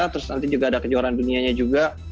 terus nanti juga ada kejuaraan dunianya juga